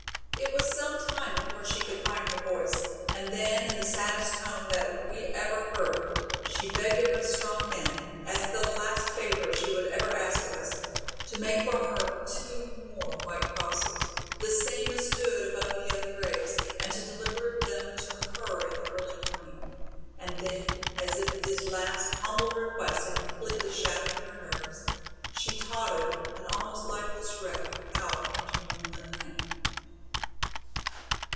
It was some time before she could find her voice and then in the saddest tone that weaver heard, she begged of us strong men, as the last favor she would ever ask of us, to make for her two more white crosses, the same as stood above the other graves, and to deliver them to her in the early morning, and then, as if this last humble request had completely shattered her nerves, she tottered, an almost lifeless wreck, out into the moonlit night.